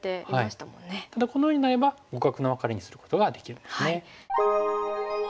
ただこのようになれば互角のワカレにすることができるんですね。